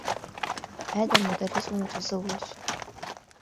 هذا المدرّس متزوّج.